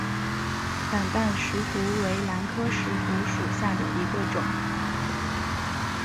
反瓣石斛为兰科石斛属下的一个种。